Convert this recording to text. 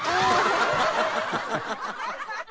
「ハハハハ！」